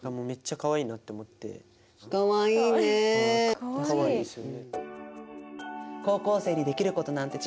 かわいいですよね。